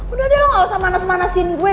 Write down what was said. udah deh gak usah manas manasin gue